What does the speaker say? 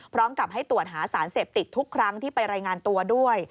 พร้อมกับให้ตรวจหาสารเสพติดทุกครั้งที่ไปรายงานตัวด้วย